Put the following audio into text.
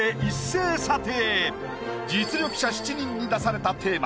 実力者７人に出されたテーマ